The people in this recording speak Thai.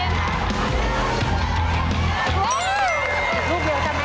ลูกเดียวจำไม่ดาง